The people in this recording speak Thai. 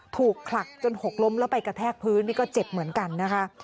ถูกผลักจนหกล้มแล้วไปกระแทกพื้นนี่ก็เจ็บเหมือนกันนะคะ